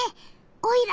オイラ